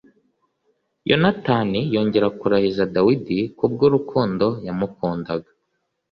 Yonatani yongera kurahiza Dawidi ku bw’urukundo yamukundaga